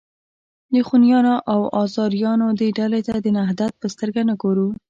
د خونیانو او آزاریانو دې ډلې ته د نهضت په سترګه نه ګورو.